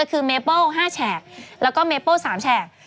ก็คือเมเปล๕แฉกแล้วก็เมเปล๓แฉก